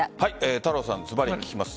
太郎さん、ズバリ聞きます。